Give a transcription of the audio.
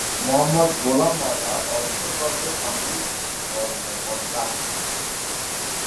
মোহাম্মদ গোলাম মাওলা অবসরপ্রাপ্ত সামরিক কর্মকর্তা।